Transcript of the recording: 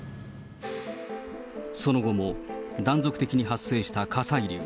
その後も断続的に発生した火砕流。